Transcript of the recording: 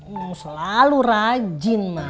udah selalu rajin mas